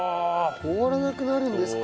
凍らなくなるんですか。